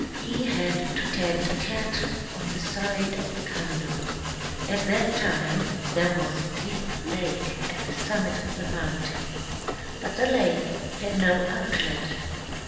He had to tend cattle on the side of the Kandel. At that time there was a deep lake at the summit of the mountain. But the lake had no outlet.